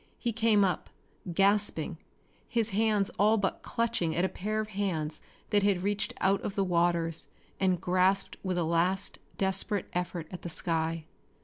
He came up, gasping, his hands all but clutching at a pair of hands that reached out of the waters and grasped with a last desperate effort at the sky.